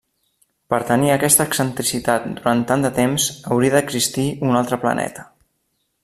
Per tenir aquesta excentricitat durant tant de temps, hauria d'existir un altre planeta.